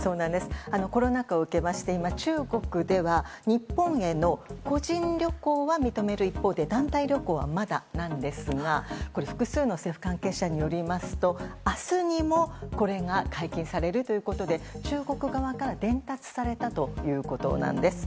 コロナ禍を受けまして今、中国では日本への個人旅行は認める一方で団体旅行はまだなんですが複数の政府関係者によりますと明日にもこれが解禁されるということで中国側から伝達されたということです。